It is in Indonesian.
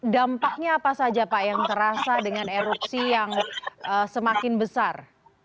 dampaknya apa saja pak yang terasa dengan erupsi yang semakin besar